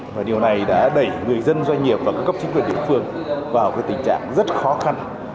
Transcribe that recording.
và điều này đã đẩy người dân doanh nghiệp và các cấp chính quyền địa phương vào cái tình trạng rất khó khăn